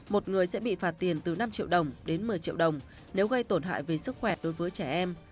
một người sẽ bị phạt tiền từ năm triệu đồng đến một mươi triệu đồng nếu gây tổn hại về sức khỏe đối với trẻ em